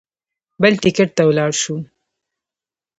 بل ټکټ ته ولاړ شو.